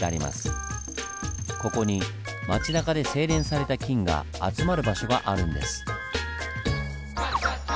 ここに町なかで製錬された金が集まる場所があるんです。